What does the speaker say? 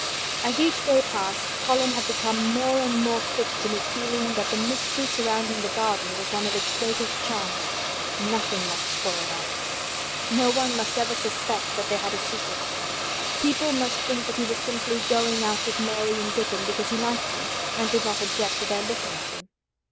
As each day passed, Colin had become more and more fixed in his feeling that the mystery surrounding the garden was one of its greatest charms. Nothing must spoil that. No one must ever suspect that they had a secret. People must think that he was simply going out with Mary and Dickon because he liked them and did not object to their looking at him.